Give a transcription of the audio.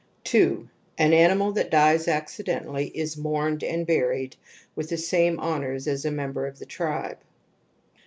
2. An animal that dies accidentally is mourned and buried with the same honours as a member of the tribe.